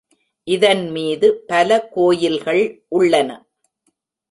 இதன்மீது பல கோயில்கள் உள்ளன.